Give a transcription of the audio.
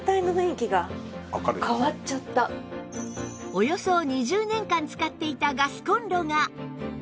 およそ２０年間使っていたガスコンロが